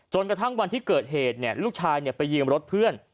จนกระทั่งวันที่เกิดเหตุเนี่ยลูกชายเนี่ยไปยีมรถเพื่อน